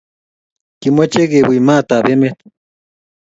Kimoche kepui maat ab emet